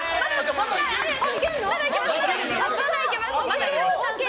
まだいけます！